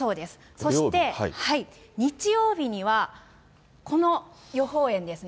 そして日曜日には、この予報円ですね。